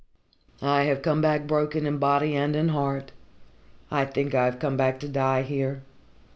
I have come back broken in body and in heart. I think I have come back to die here.